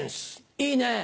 いいね。